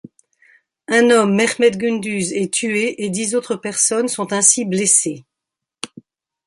Un homme, Mehmet Gündüz, est tué et dix autres personnes sont ainsi blessées.